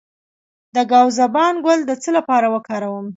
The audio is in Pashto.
د ګاو زبان ګل د څه لپاره وکاروم؟